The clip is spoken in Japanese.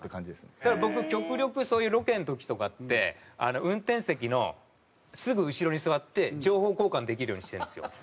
だから僕極力そういうロケの時とかって運転席のすぐ後ろに座って情報交換できるようにしてるんですよ。